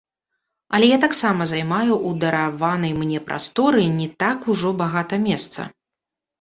Але я таксама займаю ў дараванай мне прасторы не так ужо багата месца.